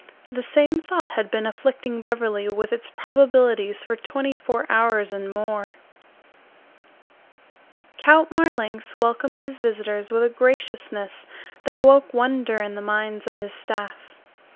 The same thought had been afflicting Beverly with its probabilities for twenty four hours and more. Count Marlanx welcomed his visitors with a graciousness that awoke wonder in the minds of his staff.